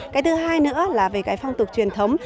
cái thứ hai nữa là về cái phong tục truyền thống